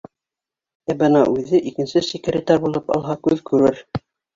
Ә бына үҙе икенсе секретарь булып алһа, күҙ күрер.